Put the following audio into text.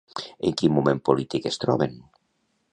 En quin moment polític es troben?